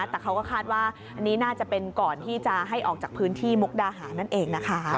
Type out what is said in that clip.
แต่เขาก็คาดว่าอันนี้น่าจะเป็นก่อนที่จะให้ออกจากพื้นที่มุกดาหารนั่นเองนะคะ